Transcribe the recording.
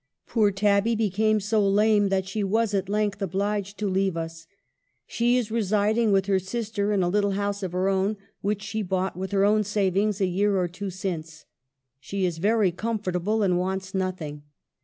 Poor Tabby became so lame that she was at length obliged to leave us. She is residing with her sister, in a little house of her own, which she bought with her own savings a year or two since. She is very comfortable, and wants nothing.